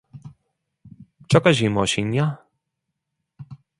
저것이 무엇이냐